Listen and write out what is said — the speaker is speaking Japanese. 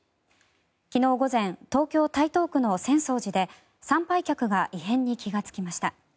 昨日午前東京・台東区の浅草寺で参拝客が異変に気がつきました。